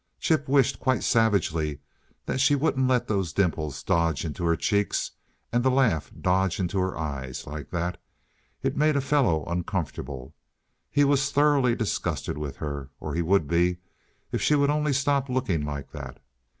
Chip wished, quite savagely, that she wouldn't let those dimples dodge into her cheeks, and the laugh dodge into her eyes, like that. It made a fellow uncomfortable. He was thoroughly disgusted with her or he would be, if she would only stop looking like that.